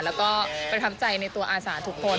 แล้วก็ประทับใจในตัวอาสาทุกคน